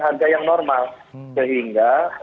harga yang normal sehingga